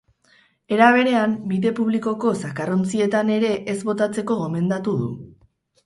Era berean, bide publikoko zakarrontzietan ere ez botatzeko gomendatu du.